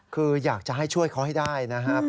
คืออยากจะให้ช่วยเขาให้ได้นะครับ